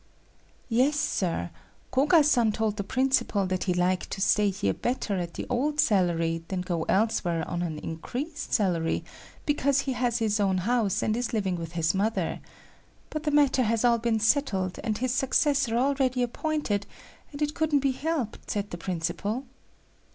"Yes, Sir, Koga san told the principal that he liked to stay here better at the old salary than go elsewhere on an increased salary, because he has his own house and is living with his mother. But the matter has all been settled, and his successor already appointed and it couldn't be helped, said the principal."